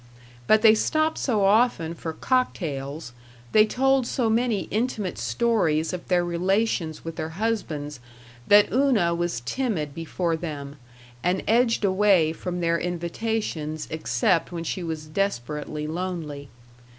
But they stopped so often for cocktails, they told so many intimate stories of their relations with their husbands, that Una was timid before them, and edged away from their invitations except when she was desperately lonely.